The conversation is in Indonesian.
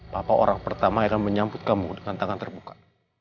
papa orang pertama akan menyambut kamu dengan tangan terbuka